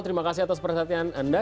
terima kasih atas perhatian anda